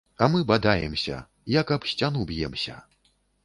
А мы бадаемся, як аб сцяну б'емся.